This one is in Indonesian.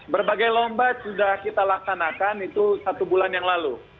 berbagai lomba sudah kita laksanakan itu satu bulan yang lalu